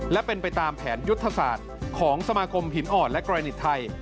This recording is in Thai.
และเป็นไปตามแผนยุทธศาสตร์ของสมาคมหินอ่อนและกรณีไทย